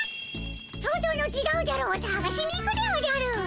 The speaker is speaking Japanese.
外の「ちがうじゃろー」をさがしに行くでおじゃる。